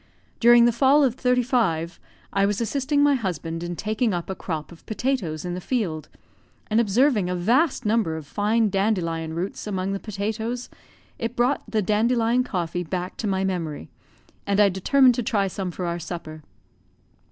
During the fall of '35, I was assisting my husband in taking up a crop of potatoes in the field, and observing a vast number of fine dandelion roots among the potatoes, it brought the dandelion coffee back to my memory, and I determined to try some for our supper.